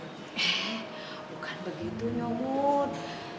eh bukan begitu nyomot